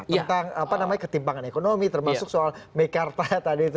tentang apa namanya ketimpangan ekonomi termasuk soal mekarta tadi itu